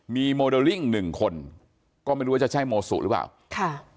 มีโมเดลลิ่งหนึ่งคนก็ไม่รู้ว่าจะใช่โมสุหรือเปล่าค่ะ